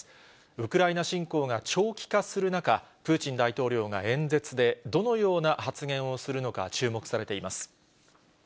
ウクライナ侵攻が長期化する中、プーチン大統領が演説でどのような発言をするのか注目されています。